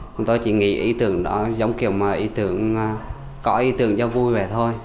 chúng tôi chỉ nghĩ ý tưởng đó giống kiểu mà có ý tưởng cho vui vậy thôi